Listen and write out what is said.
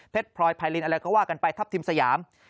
พลอยไพรินอะไรก็ว่ากันไปทัพทิมสยาม